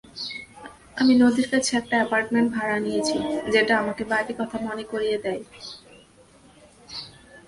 আমি নদীর কাছে একটা অ্যাপার্টমেন্ট ভাড়া নিয়েছি যেটা আমাকে বাড়ির কথা মনে করিয়ে দেই।